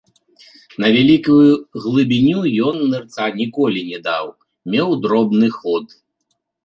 На вялікую глыбіню ён нырца ніколі не даў, меў дробны ход.